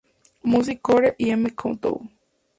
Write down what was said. Music Core" y "M Countdown".